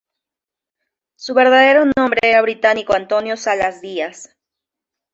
Su verdadero nombre era Británico Antonio Salas Díaz.